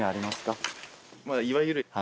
まぁいわゆる。